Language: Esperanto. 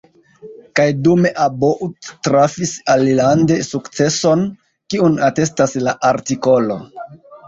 Kaj dume About trafis alilande sukceson, kiun atestas la artikolo.